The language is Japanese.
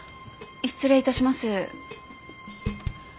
失礼いたします。